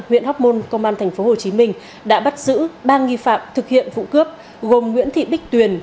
huyện hóc môn công an tp hcm đã bắt giữ ba nghi phạm thực hiện vụ cướp gồm nguyễn thị bích tuyền